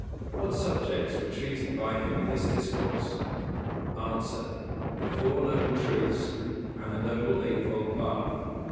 What subjects were treated by him in this discourse? A. The "Four Noble Truths," and the "Noble Eightfold Path".